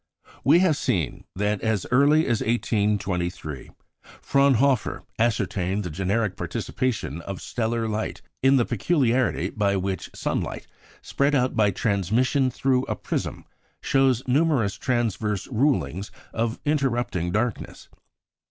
We have seen that, as early as 1823, Fraunhofer ascertained the generic participation of stellar light in the peculiarity by which sunlight, spread out by transmission through a prism, shows numerous transverse rulings of interrupting darkness.